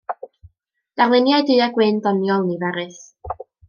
Darluniau du-a-gwyn doniol, niferus.